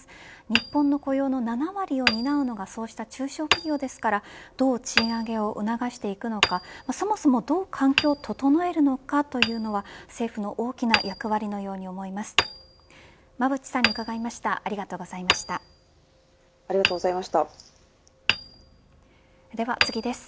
日本の雇用の７割を担うのがそうした中小企業ですからどう賃上げを促していくのかそもそも、どう環境を整えるのかというのは政府の大きな役割のように思います。